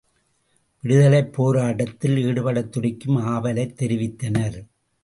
விடுதலைப் போராட்டத்தில் ஈடுபடத் துடிக்கும் ஆவலைத் தெரிவித்தனர்.